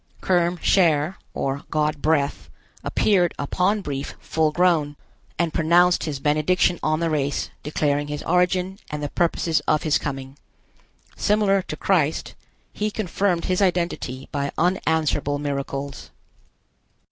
Kerm Cher, or God breath, appeared upon Brief full grown, and pronounced his benediction on the race, declaring his origin, and the purpose of his coming. Similar to Christ, he confirmed his identity by unanswerable miracles.